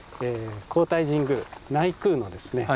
皇大神宮内宮のですね